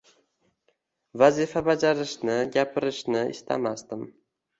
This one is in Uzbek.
Vazifa bajarishni, gapirishni istamasdim.